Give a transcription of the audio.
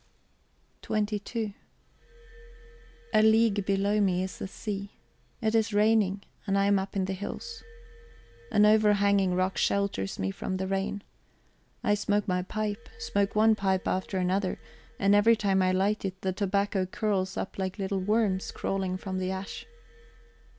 XXII A league below me is the sea. It is raining, and I am up in the hills. An overhanging rock shelters me from the rain. I smoke my pipe, smoke one pipe after another; and every time I light it, the tobacco curls up like little worms crawling from the ash.